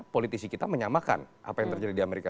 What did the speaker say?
politisi kita menyamakan apa yang terjadi di amerika